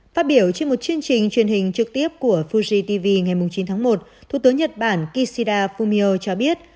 phát biểu trên một chương trình truyền hình trực tiếp của fujitv ngày chín tháng một thủ tướng nhật bản kishida fumio cho biết